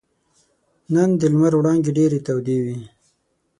نن د لمر وړانګې ډېرې تودې وې.